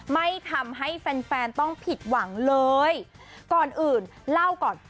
ไม่ทำให้แฟนแฟนต้องผิดหวังเลยก่อนอื่นเล่าก่อน